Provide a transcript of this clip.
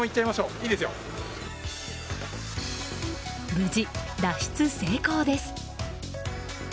無事、脱出成功です。